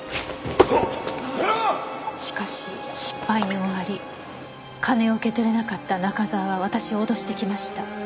「しかし失敗に終わり金を受け取れなかった中沢は私を脅してきました」